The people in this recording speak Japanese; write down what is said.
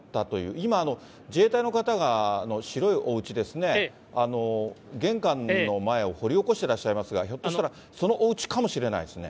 今、自衛隊の方が白いおうちですね、玄関の前を掘り起こしていらっしゃいますが、ひょっとしたら、そのおうちかもしれないですね。